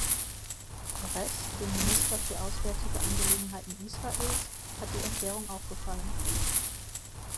Peres, dem Minister für Auswärtige Angelegenheiten Israels, hat die Erklärung auch gefallen.